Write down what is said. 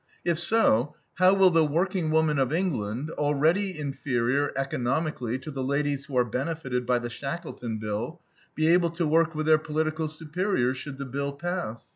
If so, how will the workingwoman of England, already inferior economically to the ladies who are benefited by the Shackleton bill, be able to work with their political superiors, should the bill pass?